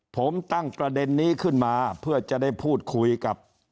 ผมตั้งประเด็นนี้ขึ้นมาเพื่อจะได้พูดคุยกับ